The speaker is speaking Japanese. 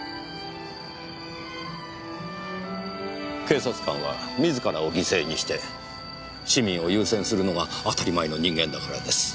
警察官は自らを犠牲にして市民を優先するのが当たり前の人間だからです。